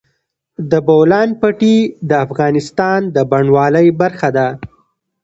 د بولان پټي د افغانستان د بڼوالۍ برخه ده.